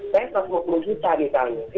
saya terus mau kembali cari kami